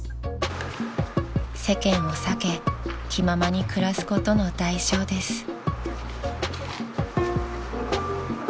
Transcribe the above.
［世間を避け気ままに暮らすことの代償です］